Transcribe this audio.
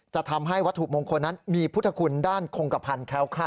ทำให้วัตถุมงคลนั้นมีพุทธคุณด้านคงกระพันธ์แค้วค่า